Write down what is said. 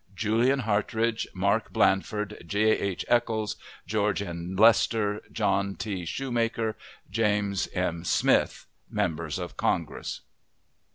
JULIAN HARTRIDGE MARK BLANDFORD, J. H. ECHOLS GEO. N. LESTER JOHN T. SHUEMAKER JAS. M. SMITH, Members of Congress.